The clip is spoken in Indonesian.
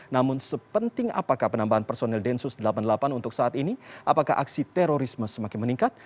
namun sepenting apakah penambahan personil densus delapan puluh delapan untuk saat ini apakah aksi terorisme semakin meningkat